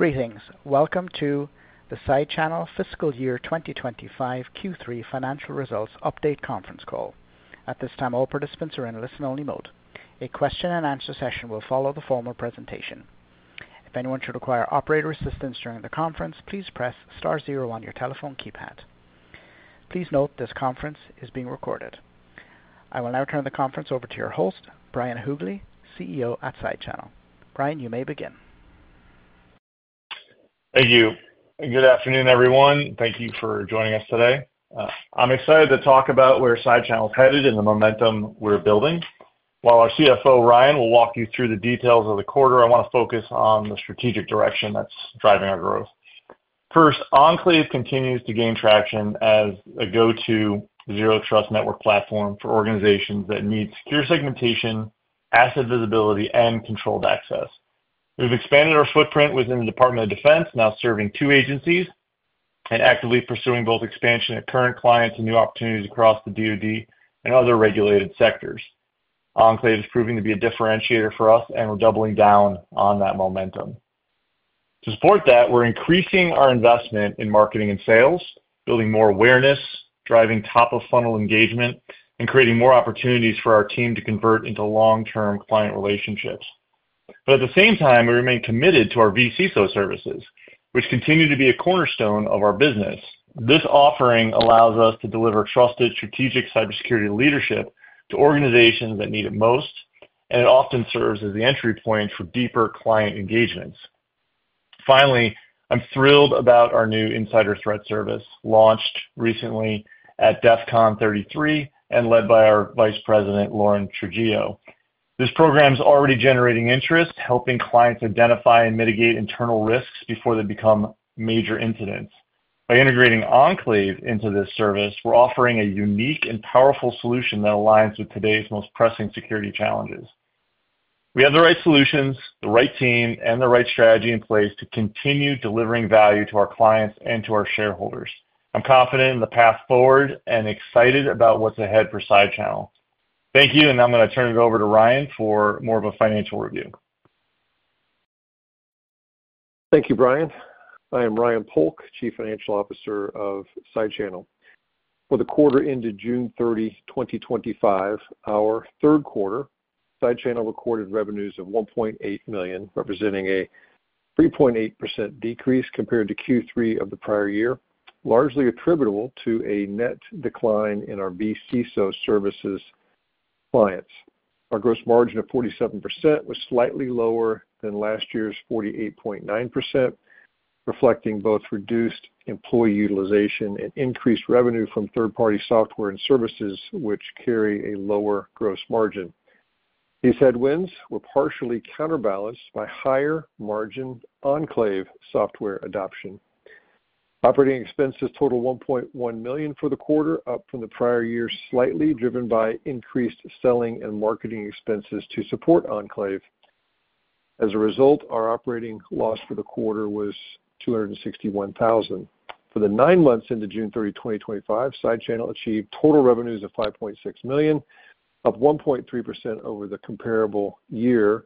Greetings. Welcome to the SideChannel Fiscal Year 2025 Q3 Financial Results Update Conference Call. At this time, all participants are in listen-only mode. A question and answer session will follow the formal presentation. If anyone should require operator assistance during the conference, please press star zero on your telephone keypad. Please note this conference is being recorded. I will now turn the conference over to your host, Brian Haugli, CEO at SideChannel. Brian, you may begin. Thank you. Good afternoon, everyone. Thank you for joining us today. I'm excited to talk about where SideChannel is headed and the momentum we're building. While our CFO, Ryan, will walk you through the details of the quarter, I want to focus on the strategic direction that's driving our growth. First, Enclave continues to gain traction as a go-to zero-trust network platform for organizations that need secure segmentation, asset visibility, and controlled access. We've expanded our footprint within the Department of Defense, now serving two agencies and actively pursuing both expansion at current clients and new opportunities across the Department of Defense and other regulated sectors. Enclave is proving to be a differentiator for us, and we're doubling down on that momentum. To support that, we're increasing our investment in marketing and sales, building more awareness, driving top-of-funnel engagement, and creating more opportunities for our team to convert into long-term client relationships. At the same time, we remain committed to our vCISO services, which continue to be a cornerstone of our business. This offering allows us to deliver trusted strategic cybersecurity leadership to organizations that need it most, and it often serves as the entry point for deeper client engagements. Finally, I'm thrilled about our new Insider Threat Service, launched recently at DEFCON 33 and led by our Vice President, Lauren Trujillo. This program is already generating interest, helping clients identify and mitigate internal risks before they become major incidents. By integrating Enclave into this service, we're offering a unique and powerful solution that aligns with today's most pressing security challenges. We have the right solutions, the right team, and the right strategy in place to continue delivering value to our clients and to our shareholders. I'm confident in the path forward and excited about what's ahead for SideChannel. Thank you, and now I'm going to turn it over to Ryan for more of a financial review. Thank you, Brian. I am Ryan Polk, Chief Financial Officer of SideChannel. For the quarter ended June 30, 2025, our third quarter, SideChannel recorded revenues of $1.8 million, representing a 3.8% decrease compared to Q3 of the prior year, largely attributable to a net decline in our vCISO services clients. Our gross margin of 47% was slightly lower than last year's 48.9%, reflecting both reduced employee utilization and increased revenue from third-party software and services, which carry a lower gross margin. These headwinds were partially counterbalanced by higher margin Enclave software adoption. Operating expenses totaled $1.1 million for the quarter, up from the prior year slightly, driven by increased selling and marketing expenses to support Enclave. As a result, our operating loss for the quarter was $261,000. For the nine months into June 30, 2025, SideChannel achieved total revenues of $5.6 million, up 1.3% over the comparable year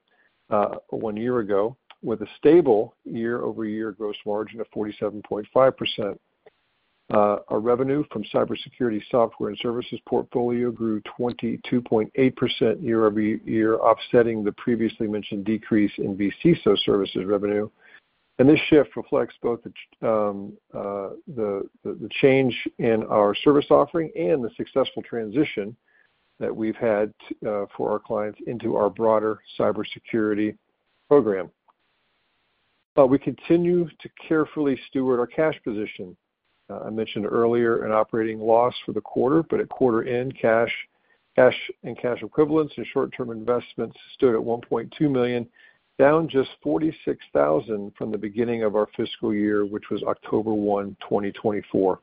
one year ago, with a stable year-over-year gross margin of 47.5%. Our revenue from cybersecurity software and services portfolio grew 22.8% year-over-year, offsetting the previously mentioned decrease in vCISO services revenue. This shift reflects both the change in our service offering and the successful transition that we've had for our clients into our broader cybersecurity program. We continue to carefully steward our cash position. I mentioned earlier an operating loss for the quarter, but at quarter end, cash and cash equivalents and short-term investments stood at $1.2 million, down just $46,000 from the beginning of our fiscal year, which was October 1, 2024.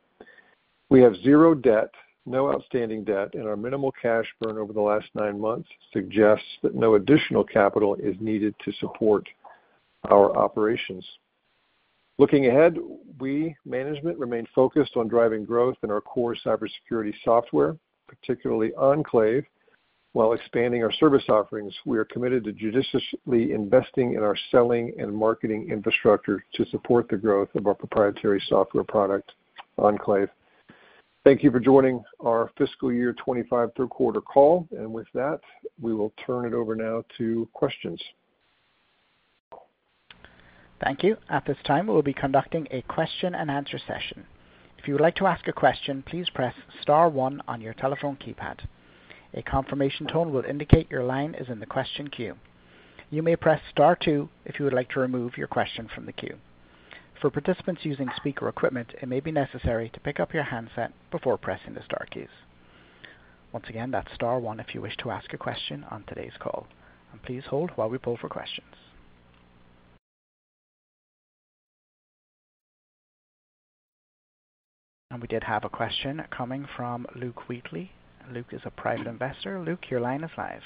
We have zero debt, no outstanding debt, and our minimal cash burn over the last nine months suggests that no additional capital is needed to support our operations. Looking ahead, we management remain focused on driving growth in our core cybersecurity software, particularly Enclave. While expanding our service offerings, we are committed to judiciously investing in our selling and marketing infrastructure to support the growth of our proprietary software product, Enclave. Thank you for joining our Fiscal Year 25 Third Quarter Call, and with that, we will turn it over now to questions. Thank you. At this time, we will be conducting a question and answer session. If you would like to ask a question, please press star one on your telephone keypad. A confirmation tone will indicate your line is in the question queue. You may press star two if you would like to remove your question from the queue. For participants using speaker equipment, it may be necessary to pick up your handset before pressing the star keys. Once again, that's star one if you wish to ask a question on today's call. Please hold while we pull for questions. We did have a question coming from Luke Wheatley. Luke is a private investor. Luke, your line is live.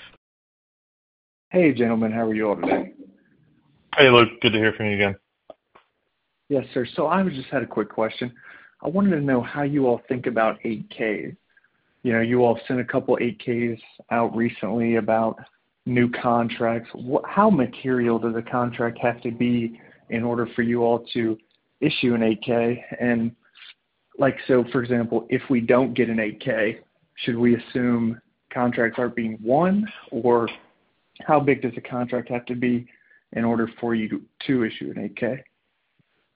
Hey, gentlemen. How are you all today? Hey, Luke. Good to hear from you again. Yes, sir. I just had a quick question. I wanted to know how you all think about 8-K. You know, you all sent a couple 8-Ks out recently about new contracts. How material does a contract have to be in order for you all to issue an 8-K? For example, if we don't get an 8-K, should we assume contracts aren't being won? How big does a contract have to be in order for you to issue an 8-K?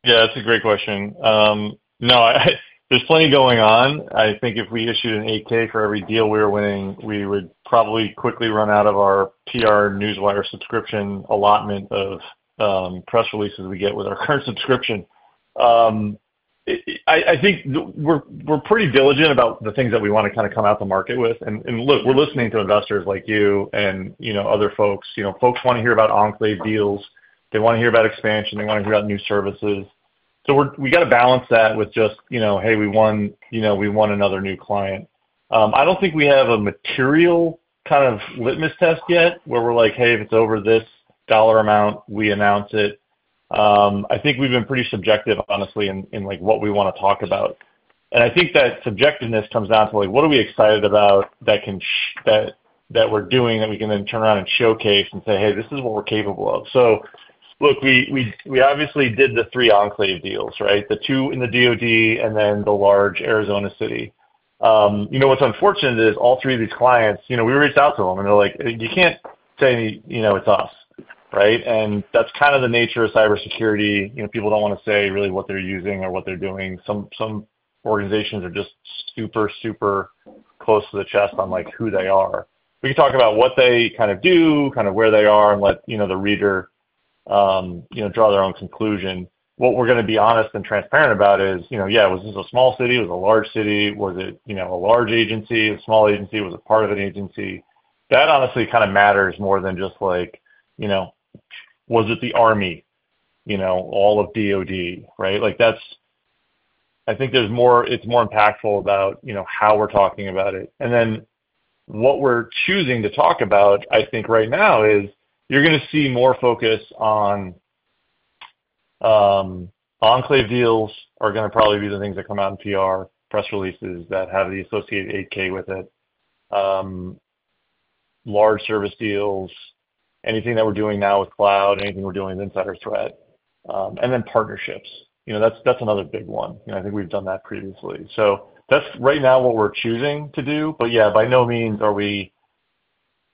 Yeah, that's a great question. No, there's plenty going on. I think if we issued an 8-K for every deal we're winning, we would probably quickly run out of our PR Newswire subscription allotment of press releases we get with our current subscription. I think we're pretty diligent about the things that we want to kind of come out to the market with. Look, we're listening to investors like you and, you know, other folks. Folks want to hear about Enclave deals. They want to hear about expansion. They want to hear about new services. We got to balance that with just, you know, hey, we won another new client. I don't think we have a material kind of litmus test yet where we're like, hey, if it's over this dollar amount, we announce it. I think we've been pretty subjective, honestly, in what we want to talk about. I think that subjectiveness comes down to what are we excited about that we're doing that we can then turn around and showcase and say, hey, this is what we're capable of. Look, we obviously did the three Enclave deals, right? The two in the DoD and then the large Arizona city. What's unfortunate is all three of these clients, you know, we reach out to them and they're like, you can't tell any, you know, it's us, right? That's kind of the nature of cybersecurity. People don't want to say really what they're using or what they're doing. Some organizations are just super, super close to the chest on who they are. We can talk about what they kind of do, kind of where they are, and let the reader draw their own conclusion. What we're going to be honest and transparent about is, you know, yeah, was this a small city? Was it a large city? Was it a large agency? A small agency? Was it part of an agency? That honestly kind of matters more than just like, you know, was it the Army, all of DoD, right? I think it's more impactful about how we're talking about it. What we're choosing to talk about, I think right now, is you're going to see more focus on Enclave deals are going to probably be the things that come out in PR, press releases that have the associated 8-K with it. Large service deals, anything that we're doing now with cloud, anything we're doing with Insider Threat, and then partnerships. That's another big one. I think we've done that previously. That's right now what we're choosing to do. By no means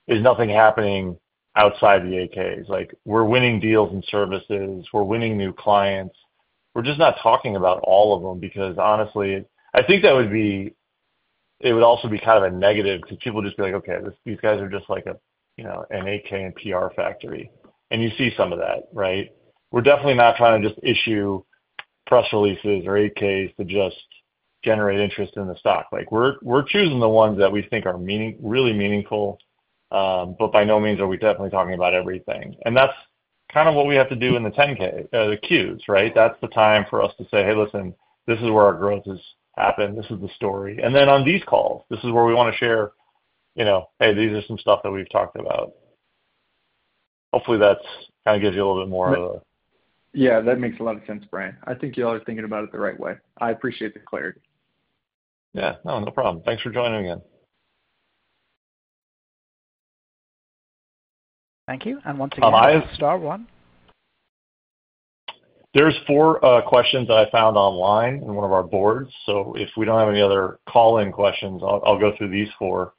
is nothing happening outside of the 8-Ks. We're winning deals and services. We're winning new clients. We're just not talking about all of them because honestly, I think that would be, it would also be kind of a negative because people would just be like, okay, these guys are just like a, you know, an 8-K and PR factory. You see some of that, right? We're definitely not trying to just issue press releases or 8-Ks to just generate interest in the stock. We're choosing the ones that we think are really meaningful. By no means are we definitely talking about everything. That's kind of what we have to do in the 10-K, the Qs, right? That's the time for us to say, hey, listen, this is where our growth has happened. This is the story. On these calls, this is where we want to share, you know, hey, these are some stuff that we've talked about. Hopefully, that kind of gives you a little bit more of a... Yeah, that makes a lot of sense, Brian. I think you all are thinking about it the right way. I appreciate the clarity. Yeah, no problem. Thanks for joining again. Thank you. Once again, that's star one. are four questions that I found online in one of our boards. If we don't have any other call-in questions, I'll go through these four.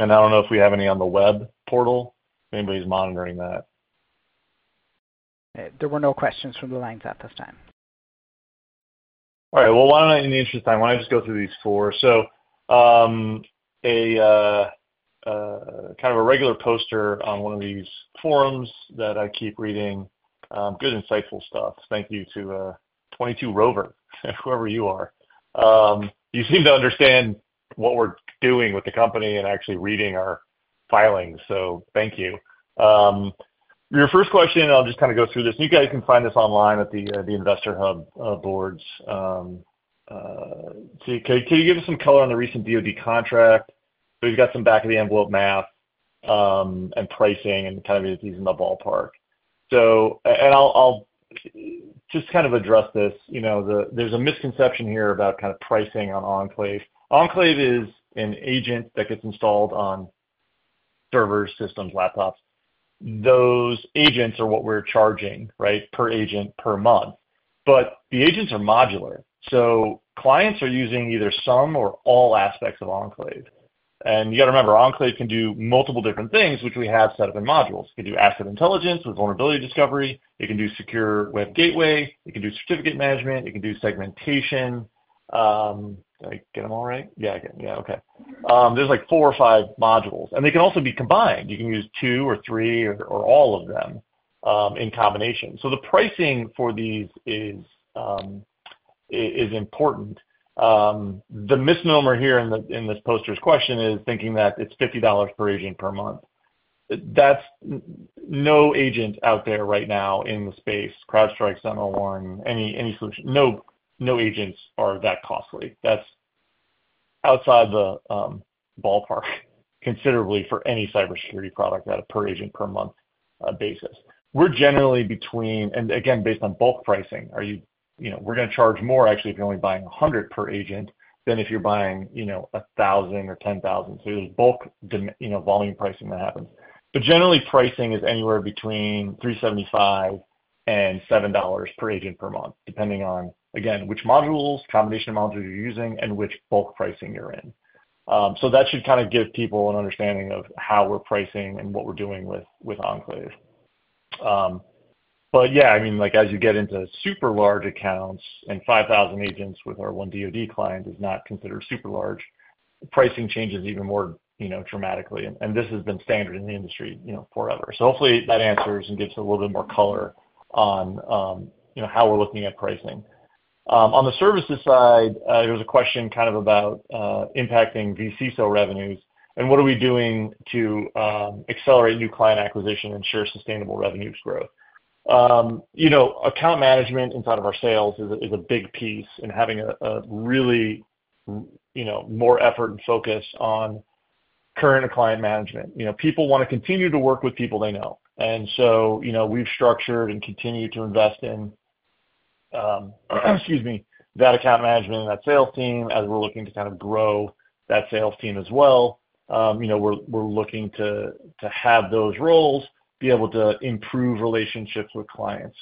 I don't know if we have any on the web portal, if anybody's monitoring that. There were no questions from the lines at this time. All right. In the interest of time, why don't I just go through these four? A kind of a regular poster on one of these forums that I keep reading, good, insightful stuff. Thank you to 22 Rover, whoever you are. You seem to understand what we're doing with the company and actually reading our filings, so thank you. Your first question, and I'll just kind of go through this. You guys can find this online at the Investor Hub boards. Can you give us some color on the recent DoD contract? We've got some back-of-the-envelope math and pricing and kind of these in the ballpark. I'll just kind of address this. There's a misconception here about pricing on Enclave. Enclave is an agent that gets installed on servers, systems, laptops. Those agents are what we're charging, right, per agent per month. The agents are modular, so clients are using either some or all aspects of Enclave. You got to remember, Enclave can do multiple different things, which we have set up in modules. It can do asset intelligence with vulnerability discovery. It can do secure web gateway. It can do certificate management. It can do segmentation. Did I get them all right? Yeah, yeah, okay. There's like four or five modules, and they can also be combined. You can use two or three or all of them in combination. The pricing for these is important. The misnomer here in this poster's question is thinking that it's $50 per agent per month. That's no agent out there right now in the space. CrowdStrike's done on one. Any solution, no agents are that costly. That's outside the ballpark considerably for any cybersecurity product at a per agent per month basis. We're generally between, and again, based on bulk pricing, you know, we're going to charge more actually if you're only buying $100 per agent than if you're buying 1,000 or 10,000. There's bulk, you know, volume pricing that happens. Generally, pricing is anywhere between $3.75 and $7 per agent per month, depending on, again, which modules, combination of modules you're using, and which bulk pricing you're in. That should kind of give people an understanding of how we're pricing and what we're doing with Enclave. As you get into super large accounts, and 5,000 agents with our one DoD client is not considered super large, pricing changes even more dramatically. This has been standard in the industry, you know, forever. Hopefully that answers and gives a little bit more color on, you know, how we're looking at pricing. On the services side, there was a question about impacting vCISO revenues and what are we doing to accelerate new client acquisition and ensure sustainable revenues growth. Account management inside of our sales is a big piece and having a really, you know, more effort and focus on current client management. People want to continue to work with people they know. We have structured and continued to invest in, excuse me, that account management and that sales team as we're looking to grow that sales team as well. We're looking to have those roles be able to improve relationships with clients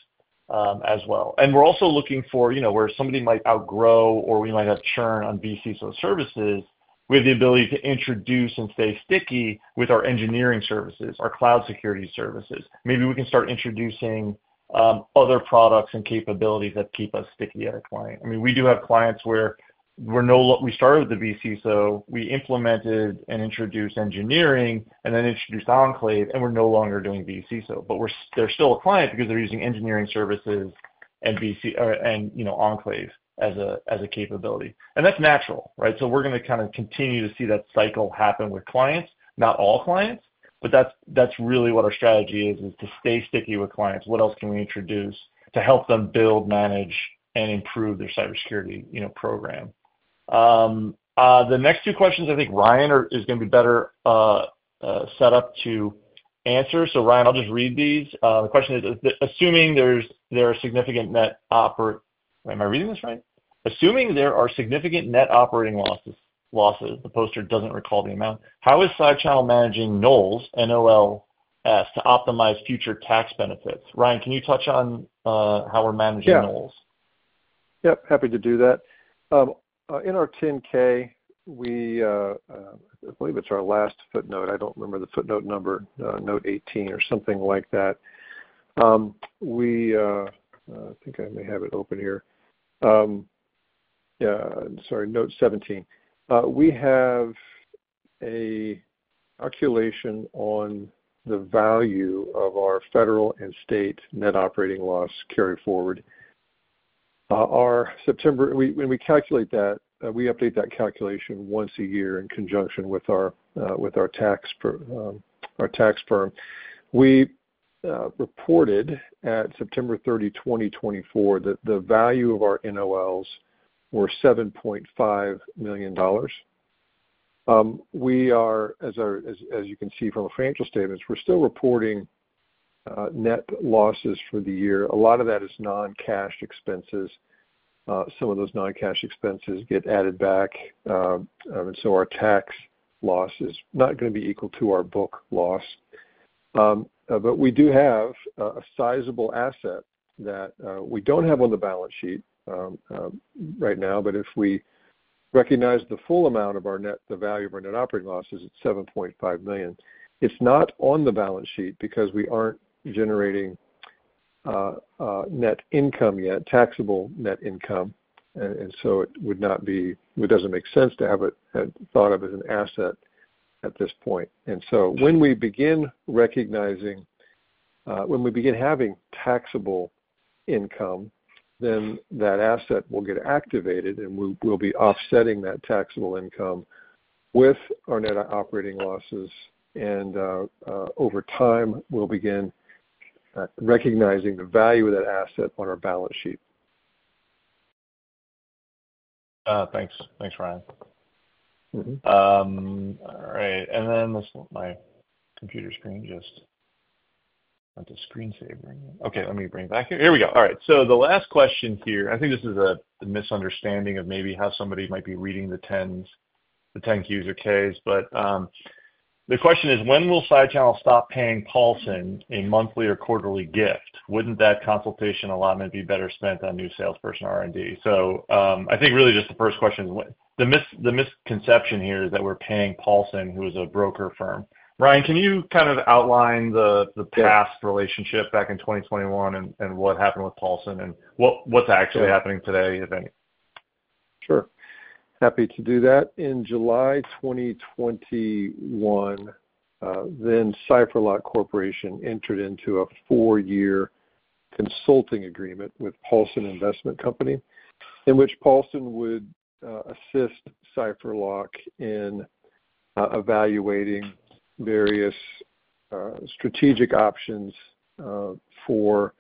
as well. We're also looking for where somebody might outgrow or we might have churn on vCISO services with the ability to introduce and stay sticky with our engineering services, our cloud security services. Maybe we can start introducing other products and capabilities that keep us sticky at a client. We do have clients where we're no longer, we started with the vCISO, we implemented and introduced engineering and then introduced Enclave, and we're no longer doing vCISO. They're still a client because they're using engineering services and Enclave as a capability. That's natural, right? We're going to continue to see that cycle happen with clients, not all clients, but that's really what our strategy is, to stay sticky with clients. What else can we introduce to help them build, manage, and improve their cybersecurity program? The next two questions, I think Ryan is going to be better set up to answer. Ryan, I'll just read these. The question is, assuming there are significant net operating... Am I reading this right? Assuming there are significant net operating losses, the poster doesn't recall the amount. How is SideChannel managing NOLs, N-O-L-S, to optimize future tax benefits? Ryan, can you touch on how we're managing NOLs? Yeah. Yep. Happy to do that. In our 10-K, I believe it's our last footnote. I don't remember the footnote number, note 18 or something like that. I think I may have it open here. Sorry, note 17. We have a calculation on the value of our federal and state net operating loss carried forward. Our September, and when we calculate that, we update that calculation once a year in conjunction with our tax firm. We reported at September 30, 2024, that the value of our NOLs were $7.5 million. As you can see from the financial statements, we're still reporting net losses for the year. A lot of that is non-cash expenses. Some of those non-cash expenses get added back, and so our tax loss is not going to be equal to our book loss. We do have a sizable asset that we don't have on the balance sheet right now. If we recognize the full amount of our net, the value of our net operating loss is at $7.5 million. It's not on the balance sheet because we aren't generating net income yet, taxable net income. It doesn't make sense to have it thought of as an asset at this point. When we begin recognizing, when we begin having taxable income, then that asset will get activated and we'll be offsetting that taxable income with our net operating losses. Over time, we'll begin recognizing the value of that asset on our balance sheet. Thanks, Ryan. All right. This is my computer screen just went to screen save. Let me bring it back here. Here we go. The last question here, I think this is a misunderstanding of maybe how somebody might be reading the 10-Qs or 10-Ks. The question is, when will SideChannel stop paying Paulson a monthly or quarterly gift? Wouldn't that consultation allotment be better spent on new salesperson R&D? I think really just the first question is the misconception here is that we're paying Paulson, who is a broker firm. Ryan, can you kind of outline the past relationship back in 2021 and what happened with Paulson and what's actually happening today, if any? Sure. Happy to do that. In July 2021, then CypherLoc Corporation entered into a four-year consulting agreement with Paulson Investment Company, in which Paulson would assist CypherLoc in evaluating various strategic options for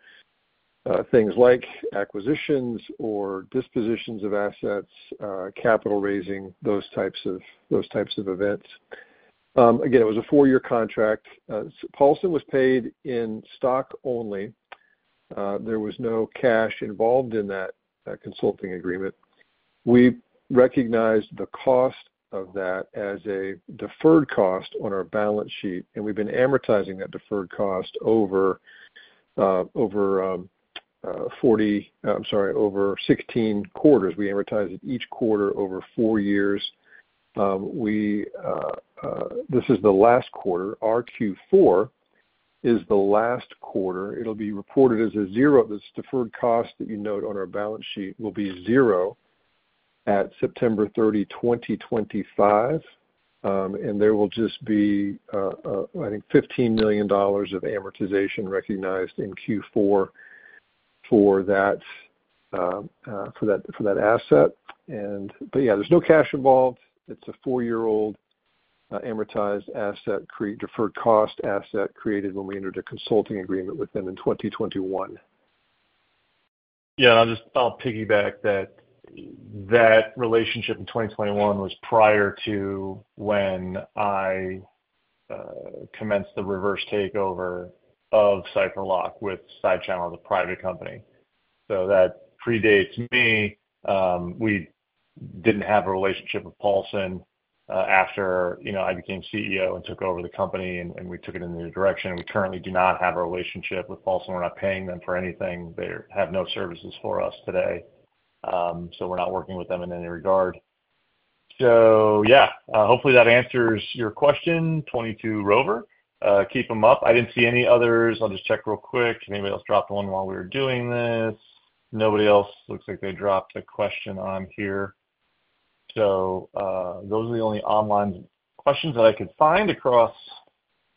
things like acquisitions or dispositions of assets, capital raising, those types of events. It was a four-year contract. Paulson was paid in stock only. There was no cash involved in that consulting agreement. We recognized the cost of that as a deferred cost on our balance sheet, and we've been amortizing that deferred cost over 16 quarters. We amortize it each quarter over four years. This is the last quarter. Our Q4 is the last quarter. It'll be reported as a zero. This deferred cost that you note on our balance sheet will be zero at September 30, 2025. There will just be, I think, $15 million of amortization recognized in Q4 for that asset. There's no cash involved. It's a four-year-old, amortized asset, deferred cost asset created when we entered a consulting agreement with them in 2021. I'll piggyback that. That relationship in 2021 was prior to when I commenced the reverse takeover of CypherLoc with SideChannel, the private company. That predates me. We didn't have a relationship with Paulson after I became CEO and took over the company, and we took it in a new direction. We currently do not have a relationship with Paulson. We're not paying them for anything. They have no services for us today. We're not working with them in any regard. Hopefully that answers your question, 22 Rover. Keep them up. I didn't see any others. I'll just check real quick. Did anybody else drop the one while we were doing this? Nobody else looks like they dropped a question on here. Those are the only online questions that I could find across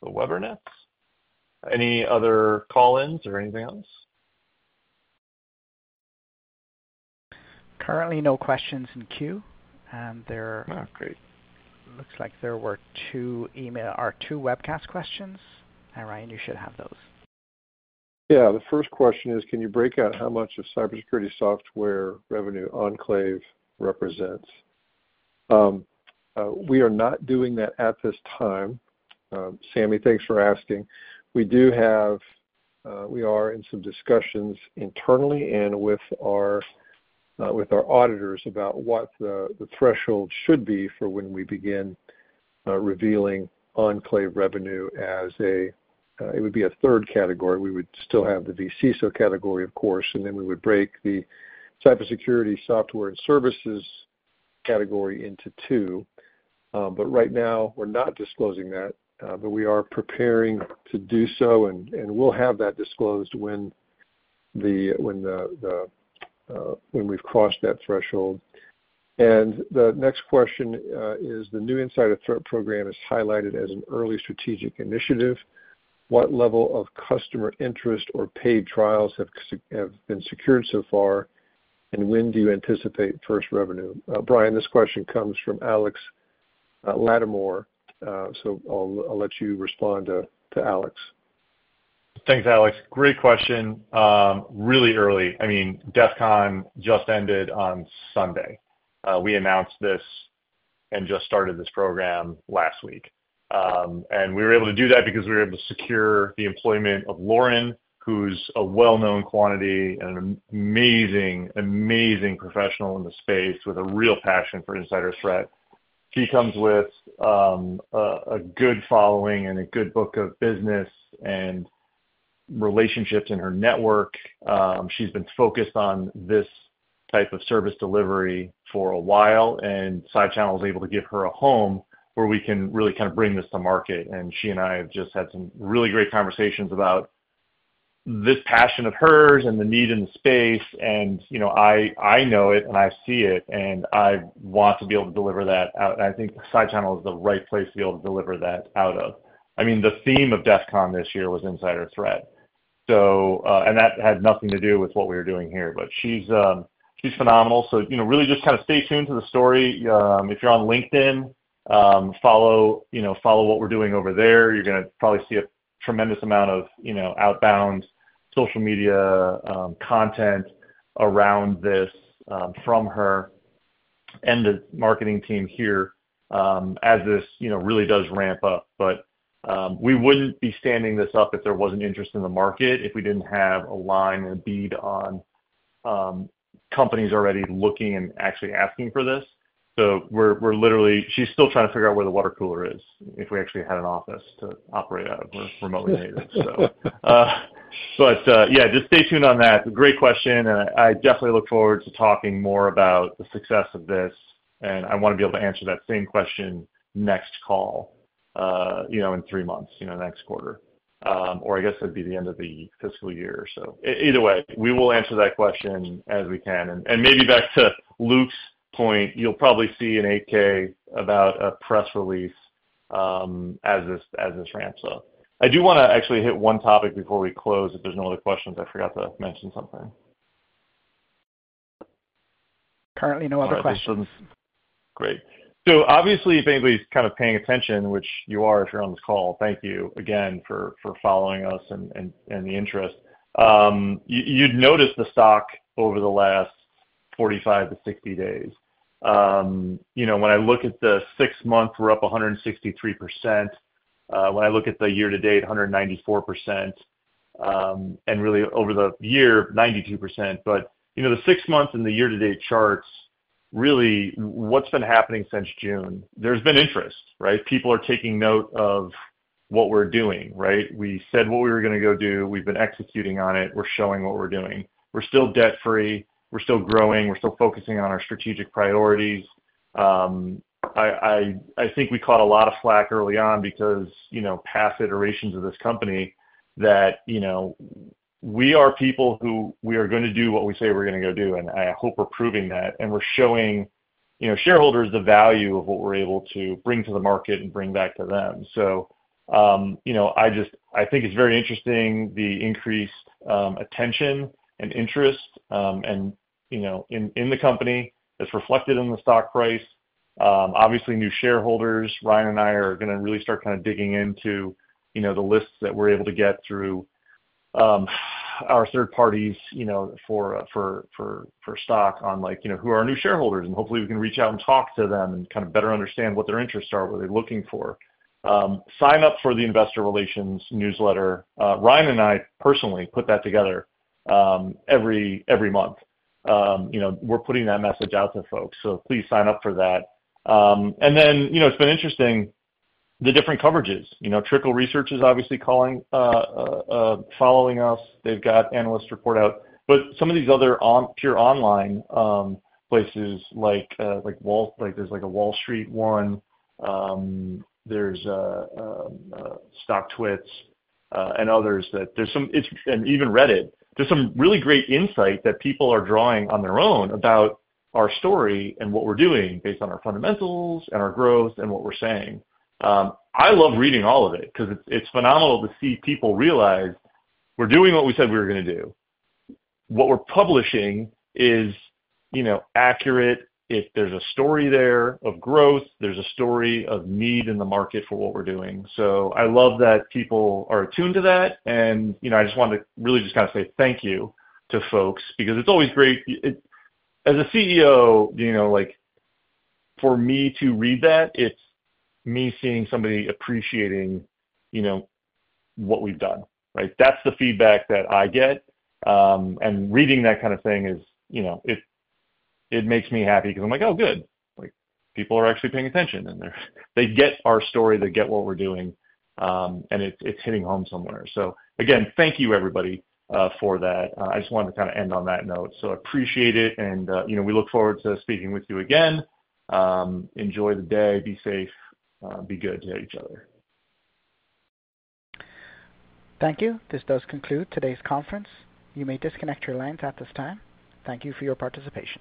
the Webernets. Any other call-ins or anything else? Currently, no questions in queue. Oh, great, looks like there were two email or two webcast questions. Ryan, you should have those. Yeah, the first question is, can you break out how much of cybersecurity software revenue Enclave represents? We are not doing that at this time. Sammy, thanks for asking. We do have, we are in some discussions internally and with our auditors about what the threshold should be for when we begin revealing Enclave revenue as a, it would be a third category. We would still have the vCISO category, of course, and then we would break the cybersecurity software and services category into two. Right now, we're not disclosing that, but we are preparing to do so, and we'll have that disclosed when we've crossed that threshold. The next question is, the new Insider Threat Service is highlighted as an early strategic initiative. What level of customer interest or paid trials have been secured so far, and when do you anticipate first revenue? Brian, this question comes from Alex Latimore. I'll let you respond to Alex. Thanks, Alex. Great question. Really early. DEFCON 33 just ended on Sunday. We announced this and just started this program last week. We were able to do that because we were able to secure the employment of Lauren Trujillo, who's a well-known quantity and an amazing, amazing professional in the space with a real passion for insider threat. She comes with a good following and a good book of business and relationships in her network. She's been focused on this type of service delivery for a while, and SideChannel is able to give her a home where we can really kind of bring this to market. She and I have just had some really great conversations about this passion of hers and the need in the space. I know it and I see it, and I want to be able to deliver that out. I think SideChannel is the right place to be able to deliver that out of. The theme of DEFCON 33 this year was insider threat. That had nothing to do with what we were doing here, but she's phenomenal. Really just kind of stay tuned to the story. If you're on LinkedIn, follow what we're doing over there. You're going to probably see a tremendous amount of outbound social media content around this from her and the marketing team here as this really does ramp up. We wouldn't be standing this up if there wasn't interest in the market, if we didn't have a line and a bead on companies already looking and actually asking for this. We're literally, she's still trying to figure out where the water cooler is, if we actually had an office to operate out of. We're remotely native. Just stay tuned on that. It's a great question, and I definitely look forward to talking more about the success of this. I want to be able to answer that same question next call, in three months, next quarter. I guess it'd be the end of the fiscal year. Either way, we will answer that question as we can. Maybe back to Luke's point, you'll probably see an 8-K about a press release as this ramps up. I do want to actually hit one topic before we close. If there's no other questions, I forgot to mention something. Currently, no other questions. Great. Obviously, if anybody's kind of paying attention, which you are if you're on this call, thank you again for following us and the interest. You'd notice the stock over the last 45-60 days. When I look at the six months, we're up 163%. When I look at the year-to-date, 194%. Really over the year, 92%. The six months and the year-to-date charts, really, what's been happening since June, there's been interest, right? People are taking note of what we're doing, right? We said what we were going to go do. We've been executing on it. We're showing what we're doing. We're still debt-free. We're still growing. We're still focusing on our strategic priorities. I think we caught a lot of flack early on because past iterations of this company, that we are people who are going to do what we say we're going to go do. I hope we're proving that. We're showing shareholders the value of what we're able to bring to the market and bring back to them. I think it's very interesting, the increased attention and interest in the company that's reflected in the stock price. Obviously, new shareholders, Ryan and I are going to really start kind of digging into the lists that we're able to get through our third parties for stock on who are our new shareholders. Hopefully, we can reach out and talk to them and kind of better understand what their interests are, what they're looking for. Sign up for the Investor Relations newsletter. Ryan and I personally put that together every month. We're putting that message out to folks, so please sign up for that. It's been interesting, the different coverages. Trickle Research is obviously following us. They've got analysts report out. Some of these other pure online places, like there's like a Wall Street One, there's StockTwits, and others, and even Reddit. There's some really great insight that people are drawing on their own about our story and what we're doing based on our fundamentals and our growth and what we're saying. I love reading all of it because it's phenomenal to see people realize we're doing what we said we were going to do. What we're publishing is accurate. If there's a story there of growth, there's a story of need in the market for what we're doing. I love that people are attuned to that. I just want to really just kind of say thank you to folks because it's always great. As a CEO, for me to read that, it's me seeing somebody appreciating what we've done, right? That's the feedback that I get. Reading that kind of thing makes me happy because I'm like, oh, good. People are actually paying attention and they get our story, they get what we're doing, and it's hitting home somewhere. Thank you, everybody, for that. I just wanted to kind of end on that note. I appreciate it. We look forward to speaking with you again. Enjoy the day. Be safe. Be good to each other. Thank you. This does conclude today's conference. You may disconnect your lines at this time. Thank you for your participation.